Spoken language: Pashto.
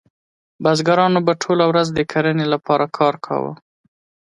بزګرانو به ټوله ورځ د کرنې لپاره کار کاوه.